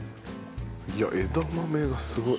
いや枝豆がすごい。